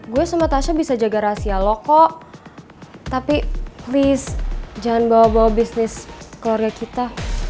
gue sama tasha bisa jaga rahasia lo kok tapi ris jangan bawa bawa bisnis keluarga kita